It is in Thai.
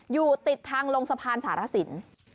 อยู่ติดทางลงสะพานสารสิน